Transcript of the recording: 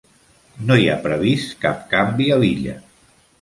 No hi ha previst cap canvi a l'illa.